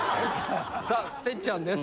さあ哲ちゃんです。